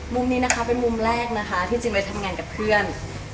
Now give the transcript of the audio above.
มุมนี้นะคะเป็นมุมแรกนะคะที่จริงไปทำงานกับเพื่อน